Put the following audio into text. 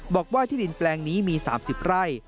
บอกว่าที่ดินแปลงนี้มี๓๐ไร่